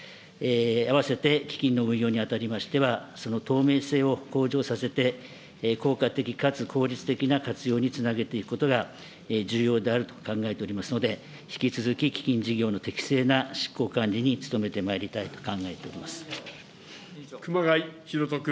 併せて基金の運用に当たりましては、その透明性を向上させて、効果的かつ効率的な活用につなげていくことが重要であると考えておりますので、引き続き基金事業の適正な執行管理に努めてまいりたいと考えてお熊谷裕人君。